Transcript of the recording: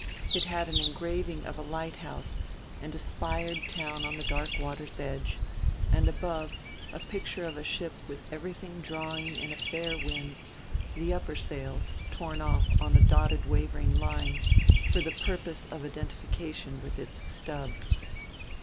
It had an engraving of a lighthouse and spired town on the dark water's edge, and above, a picture of a ship with everything drawing in a fair wind, the upper sails torn off on a dotted wavering line for the purpose of identification with its stub.